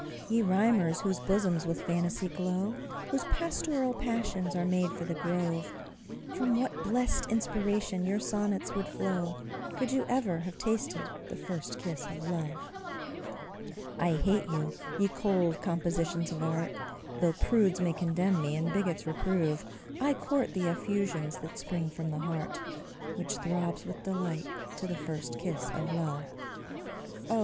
Ye rhymers, whose bosoms with phantasy glow, Whose pastoral passions are made for the grove, From what blest inspiration your sonnets would flow, Could you ever have tasted the first kiss of love! I hate you, ye cold compositions of art; Though prudes may condemn me, and bigots reprove, I court the effusions that spring from the heart Which throbs with delight to the first kiss of love. Oh!